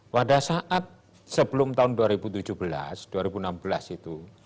pada saat sebelum tahun dua ribu tujuh belas dua ribu enam belas itu